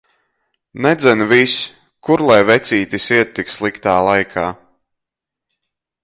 Nedzen vis! Kur lai vecītis iet tik sliktā laika.